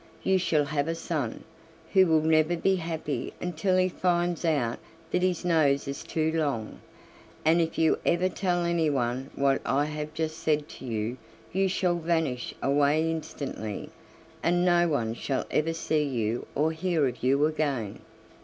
You shall have a son, who will never be happy until he finds out that his nose is too long, and if you ever tell anyone what I have just said to you, you shall vanish away instantly, and no one shall ever see you or hear of you again."